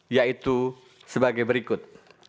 yaitu sebagai berikut